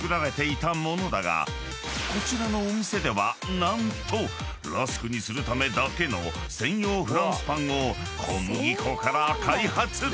［こちらのお店では何とラスクにするためだけの専用フランスパンを小麦粉から開発］